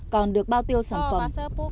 còn được bao tiêu sản phẩm